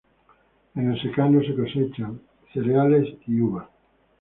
En el secano se cosechan cereales y uva.